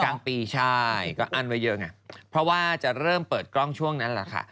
กลางปีใช่ก็อั้นไว้เยอะไงเพราะว่าจะเริ่มเปิดกล้องช่วงนั้นแหละค่ะ